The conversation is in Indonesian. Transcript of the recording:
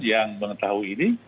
yang mengetahui ini